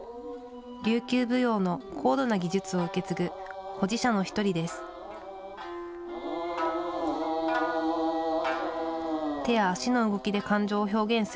琉球舞踊の高度な技術を受け継ぐ保持者の一人です。